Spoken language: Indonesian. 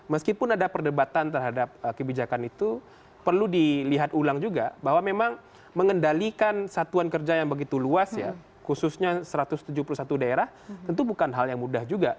meskipun ada perdebatan terhadap kebijakan itu perlu dilihat ulang juga bahwa memang mengendalikan satuan kerja yang begitu luas ya khususnya satu ratus tujuh puluh satu daerah tentu bukan hal yang mudah juga